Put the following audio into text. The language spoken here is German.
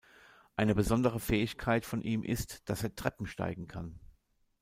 Eine besondere Fähigkeit von ihm ist, dass er Treppen steigen kann.